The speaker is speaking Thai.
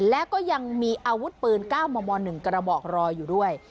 และก็ยังมีอาวุธปืน๙มม๑กระบอกรออยู่ด้วย